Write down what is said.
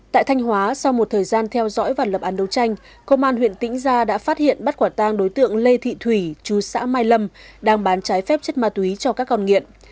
tại thanh hóa sau một thời gian theo dõi và lập án đấu tranh công an huyện tĩnh gia đã phát hiện bắt quả tang đối tượng lê thị thủy chú xã mai lâm đang bán trái phép chất ma túy cho các con nghiện